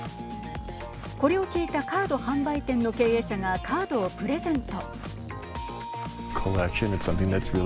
これを聞いたカード販売店の経営者がカードをプレゼント。